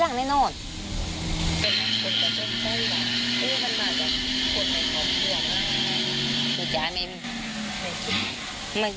ที่บอกไปอีกเรื่อยเนี่ย